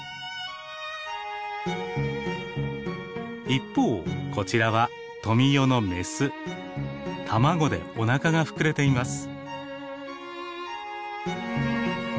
一方こちらは卵でおなかが膨れています。